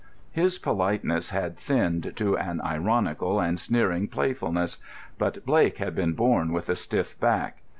His politeness had thinned to an ironical and sneering playfulness, but Blake had been born with a stiff back.